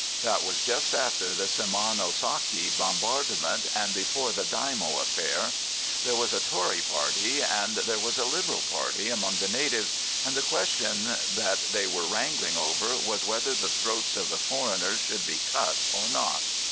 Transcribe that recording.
That was just after the Simonosaki bombardment, and before the Daimio affair. There was a Tory party and there was a Liberal party among the natives, and the question that they were wrangling over was whether the throats of the foreigners should be cut or not.